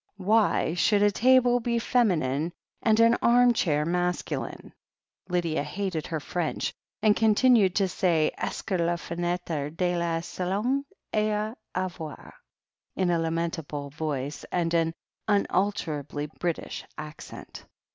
Why should a table be feminine and an arm chair masculine? Lydia hated her French, and continued to say "Esker le feneter de la salong ay ouvere?" in a lamentable voice and an unalterably British accent.